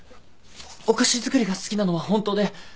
お菓子作りが好きなのはホントで。